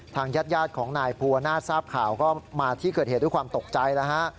ทางญาติของนายภูวนาศทราบข่าวก็มาที่เกิดเหตุด้วยความตกใจแล้วฮะ